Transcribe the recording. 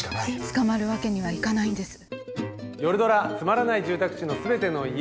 捕まるわけにはいかないんです。